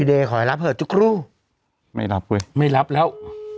พี่เดขอให้รับเถอะจุ๊กรู่ไม่รับเว้ยไม่รับแล้ว